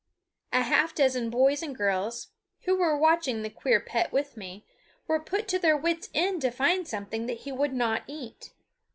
A half dozen boys and girls, who were watching the queer pet with me, were put to their wits' end to find something that he would not eat.